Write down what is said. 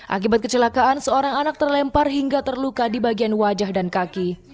akibat kecelakaan seorang anak terlempar hingga terluka di bagian wajah dan kaki